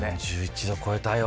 ３１度超えたよ。